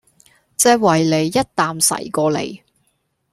隻維尼一啖噬過嚟